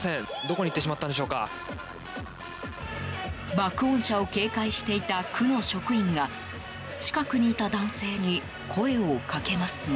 爆音車を警戒していた区の職員が近くにいた男性に声をかけますが。